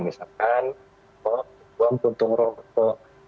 misalkan mau buang tuntung rokok